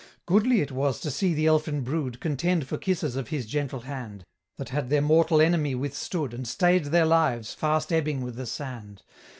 Goodly it was to see the elfin brood Contend for kisses of his gentle hand, That had their mortal enemy withstood, And stay'd their lives, fast ebbing with the sand.